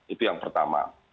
itu yang pertama